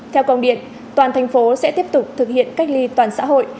theo công điện toàn thành phố sẽ tiếp tục thực hiện cách ly toàn xã hội